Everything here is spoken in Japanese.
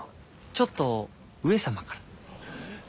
ちょっと上様から。